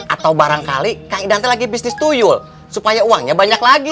atau barangkali kang idante lagi bisnis tuyul supaya uangnya banyak lagi